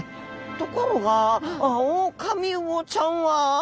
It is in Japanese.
ところがオオカミウオちゃんは。